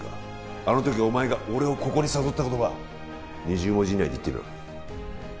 あの時お前が俺をここに誘った言葉２０文字以内で言ってみろ